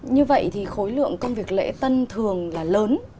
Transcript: như vậy thì khối lượng công việc lễ tân thường là lớn